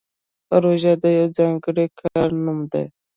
پروژه د یو ځانګړي کار نوم دی